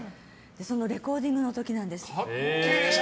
レコーディングの時なんです。